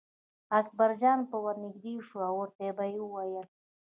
اکبرجان به ور نږدې شو او ورته به یې ویل.